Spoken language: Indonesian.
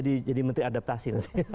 dia jadi menteri adaptasi nanti